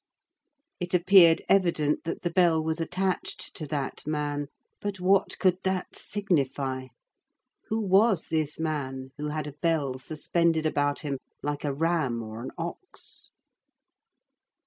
It appeared evident that the bell was attached to that man; but what could that signify? Who was this man who had a bell suspended about him like a ram or an ox?